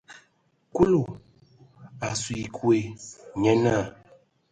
Kulu a su ekɔɛ, nye naa.